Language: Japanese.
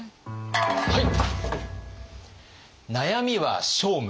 はい！